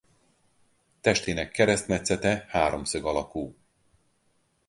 Testének keresztmetszete háromszög alakú.